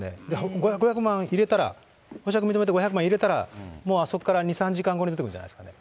５００万入れたら、保釈認めて５００万入れたら、もうあそこから２、３時間後に出てくるんじゃないですか。